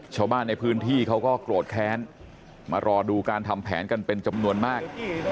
ชาวบ้านในพื้นที่เขาก็โกรธแค้นมารอดูการทำแผนกันเป็นจำนวนมาก